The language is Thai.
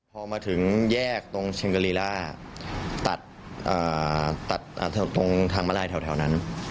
พอมาถึงแยกตรงชิงเกอรีล่าตัดตรงทางมาลายแถวนั้น